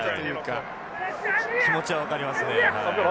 気持ちは分かりますね。